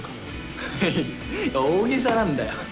ふふっいや大げさなんだよ。